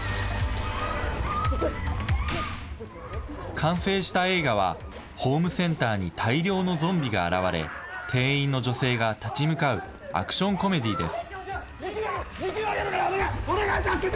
完成した映画は、ホームセンターに大量のゾンビが現れ、店員の女性が立ち向かうアクションコメディーです。